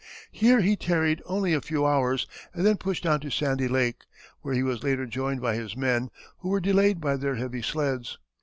Here he tarried only a few hours and then pushed on to Sandy Lake, where he was later joined by his men, who were delayed by their heavy sleds.